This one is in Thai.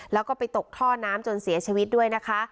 แล้วก็ไปตกท่อน้ำจนเสียชีวิตด้วยนะคะ